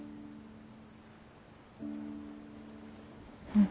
うん。